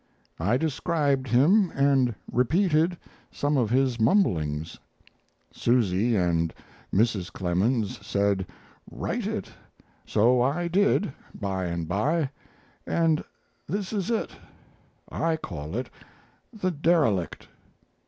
I described him, and repeated some of his mumblings. Susy and Mrs. Clemens said, 'Write it' so I did, by and by, and this is it. I call it 'The Derelict.'"